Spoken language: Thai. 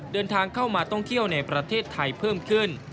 เดินทางเข้ามาท่องเที่ยวในประเทศไทยเพิ่มขึ้น